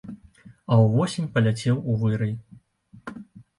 А ўвосень паляцеў у вырай.